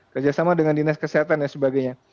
kerjasama dengan dinas kesehatan